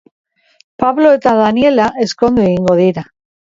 Pablo eta Daniela ezkondu egingo dira.